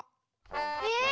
え？